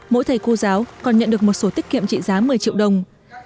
mỗi thầy cô giáo còn nhận được một số tiết kiệm trị giá một mươi triệu đồng